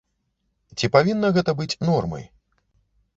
Ці павінна гэта быць нормай?